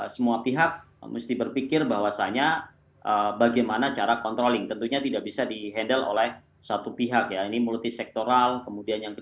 pertama terlalu banyak orang yang telah mengelola untuk pembaikan bahan oke